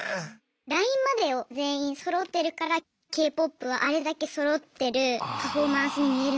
ラインまでを全員そろってるからＫ−ＰＯＰはあれだけそろってるパフォーマンスに見えるのかなって思います。